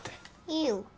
いいよ。